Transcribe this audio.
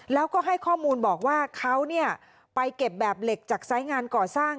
แล้วก็ให้ข้อมูลบอกว่าเขาไปเก็บแบบเหล็กจากสายงานก่อสร้าง